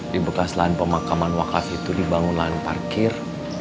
di bekas lahan pemakaman wakaf itu dibangun lahan parkir